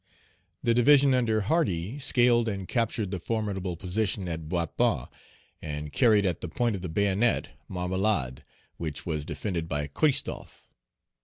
The division under Hardy scaled and captured the formidable position at Boispin, and carried at the point of the bayonet Marmelade, which was defended by Christophe.